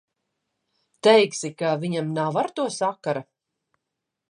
Teiksi, ka viņam nav ar to sakara?